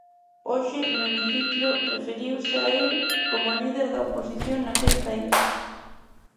Hoxe no hemiciclo referiuse a el como líder da oposición naquel país.